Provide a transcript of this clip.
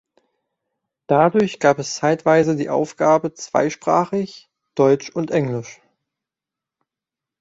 Dadurch gab es zeitweise die Aufgaben zweisprachig (Deutsch und Englisch).